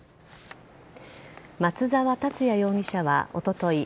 松沢達也容疑者はおととい